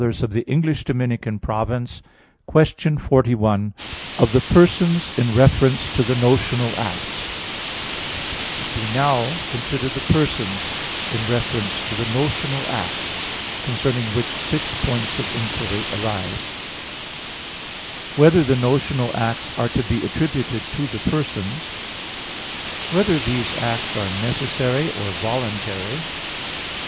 _______________________ QUESTION 41 OF THE PERSONS IN REFERENCE TO THE NOTIONAL ACTS (In Six Articles) We now consider the persons in reference to the notional acts, concerning which six points of inquiry arise: (1) Whether the notional acts are to be attributed to the persons? (2) Whether these acts are necessary, or voluntary?